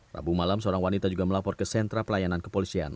rabu malam seorang wanita juga melapor ke sentra pelayanan kepolisian